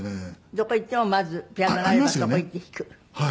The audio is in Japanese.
どこ行ってもまずピアノがあればそこ行って弾く。